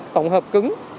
tổng hợp cứng